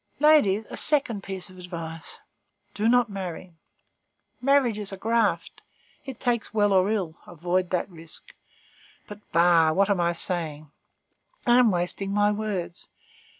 Ladies, a second piece of advice: do not marry; marriage is a graft; it takes well or ill; avoid that risk. But bah! what am I saying? I am wasting my words.